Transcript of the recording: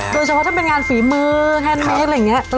โดยเฉพาะถ้าเป็นงานฝีมือแฮนดเมคอะไรอย่างนี้